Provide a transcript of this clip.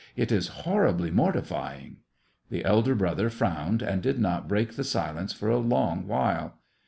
It is horribly mortifying !" The elder brother frowned, and did not break the silence for a long while.